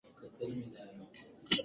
که مادي ژبه وي، نو علم به ژوندۍ وي.